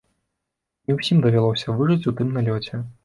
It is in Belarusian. Не ўсім давялося выжыць у тым налёце.